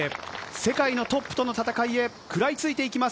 世界のトップとの戦いへ食らいついていきます。